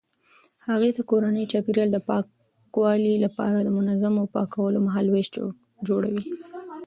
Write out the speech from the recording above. هغې د کورني چاپیریال د پاکوالي لپاره د منظمو پاکولو مهالویش جوړوي.